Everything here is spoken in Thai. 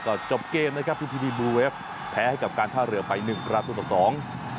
ก็จบเกมนะครับแพ้กับการท่าเรือไปหนึ่งประตูต่อสอง